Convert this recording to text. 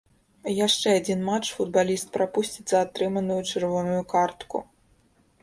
Яшчэ адзін матч футбаліст прапусціць за атрыманую чырвоную картку.